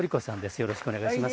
よろしくお願いします。